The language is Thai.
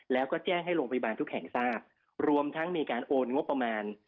แล้วก็แจ้งให้โรงพยาบาลทุกแห่งทราบรวมทั้งมีการโอนงบประมาณ